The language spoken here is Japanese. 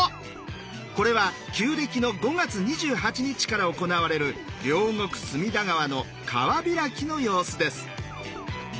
これは旧暦の５月２８日から行われる両国隅田川の川開きの様子です。